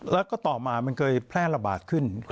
แล้วก็ต่อมามันเคยแพร่ระบาดขึ้น